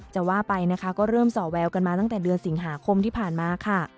จะว่าไปนะคะก็เริ่มส่อแววกันมาตั้งแต่เดือนสิงหาคมที่ผ่านมาค่ะ